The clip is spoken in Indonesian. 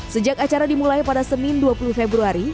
sejak acara dimulai pada senin dua puluh februari